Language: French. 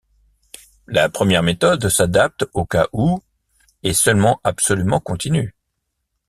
La première méthode s'adapte au cas où est seulement absolument continue.